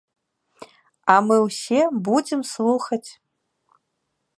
А мы ўсе будзем слухаць.